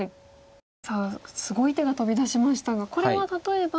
さあすごい手が飛び出しましたがこれは例えば。